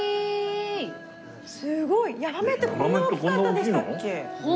すごい山女魚ってこんな大きかったでしたっけ？